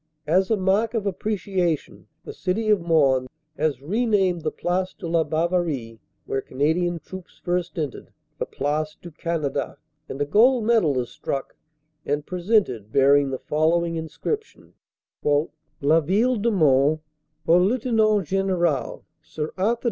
As a mark of appreciation the City of Mons has renamed the Place de la Bavarie, where Canadian troops first entered, the Place du THE MONS ROAD 399 Canada, and a gold medal is struck and presented bearing the following inscription: "La Ville de Mons au Lieut General Sir Arthur W.